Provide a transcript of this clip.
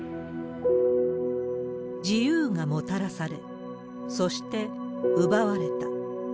自由がもたらされ、そして奪われた。